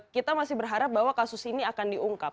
kita masih berharap bahwa kasus ini akan diungkap